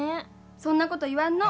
そんなこと言わんの。